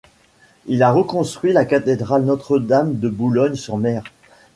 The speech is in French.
Il a reconstruit la cathédrale Notre-Dame de Boulogne-sur-Mer.